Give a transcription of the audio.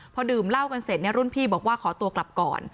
พอดื่มเหล้ากันเสร็จเนี่ยรุ่นพี่บอกว่าขอตัวกลับก่อน